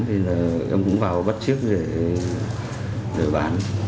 thì ông cũng vào bắt chiếc để bán